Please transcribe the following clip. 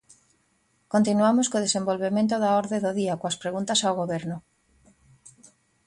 Continuamos co desenvolvemento da orde do día coas preguntas ao Goberno.